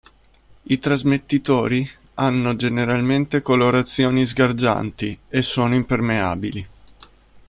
I trasmettitori hanno generalmente colorazioni sgargianti e sono impermeabili.